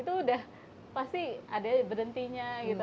itu udah pasti ada berhentinya gitu